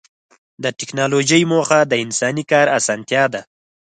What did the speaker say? د ټکنالوجۍ موخه د انساني کار اسانتیا ده.